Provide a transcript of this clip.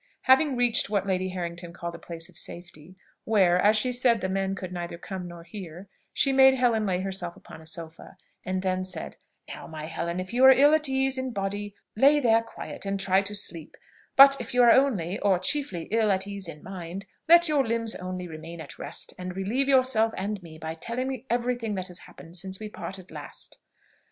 Having reached what Lady Harrington called a place of safety, where, as she said the men could neither come nor hear, she made Helen lay herself upon a sofa, and then said, "Now, my Helen, if you are ill at ease in body, lay there quiet, and try to sleep; but if you are only, or chiefly ill at ease in mind, let your limbs only remain at rest, and relieve yourself and me by telling me every thing that has happened since we parted last."